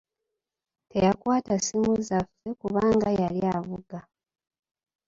Teyakwata ssimu zaffe kubanga yali avuga.